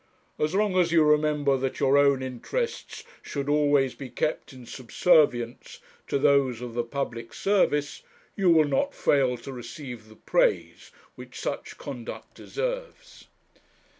As long as you remember that your own interests should always be kept in subservience to those of the public service, you will not fail to receive the praise which such conduct deserves.'